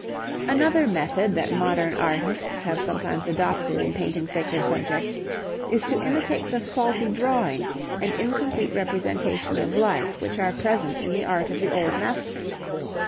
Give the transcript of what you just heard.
Another method that modern artists have sometimes adopted in painting sacred subjects, is to imitate the faulty drawing and incomplete representation of life which are present in the art of the Old Masters.